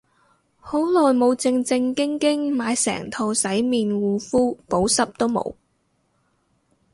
好耐冇正正經經買成套洗面護膚，補濕都冇